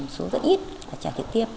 chỉ còn một số rất ít là trả trực tiếp